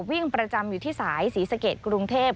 วิ่งประจำอยู่ที่สายศรีสะเกดกรุงเทพ